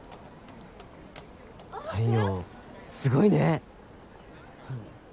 太陽すごいね！